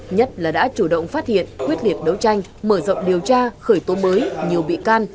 nhất là đã chủ động phát hiện quyết liệt đấu tranh mở rộng điều tra khởi tố mới nhiều bị can